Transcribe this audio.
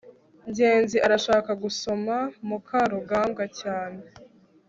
ngenzi arashaka gusoma mukarugambwa cyane